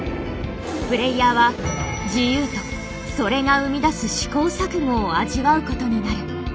プレイヤーは自由とそれが生み出す試行錯誤を味わうことになる。